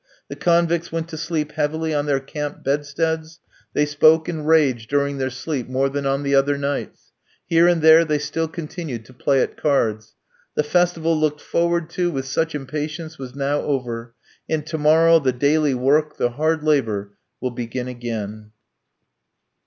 The convicts went to sleep heavily on their camp bedsteads. They spoke and raged during their sleep more than on the other nights. Here and there they still continued to play at cards. The festival looked forward to with such impatience was now over, and to morrow the daily work, the hard labour, will begin again.